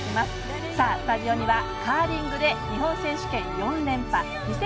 スタジオにはカーリングで日本選手権４連覇。